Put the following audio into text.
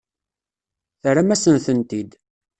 Terram-asen-tent-id.